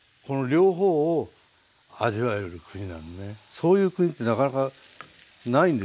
そういう国ってなかなかないんですよ。